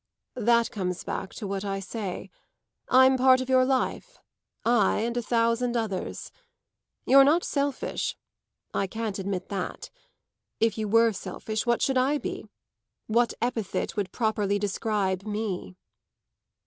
"That comes back to what I say. I'm part of your life I and a thousand others. You're not selfish I can't admit that. If you were selfish, what should I be? What epithet would properly describe me?"